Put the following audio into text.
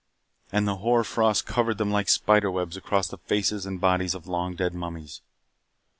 And the hoar frost covered them like spiderwebs across the faces and bodies of long dead mummies.